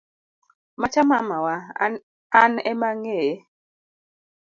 Macha mamawa an emaang'eye.